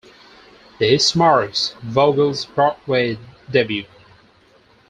This marks Vogel's Broadway debut.